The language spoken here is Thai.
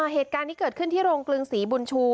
เหตุการณ์นี้เกิดขึ้นที่โรงกลึงศรีบุญชู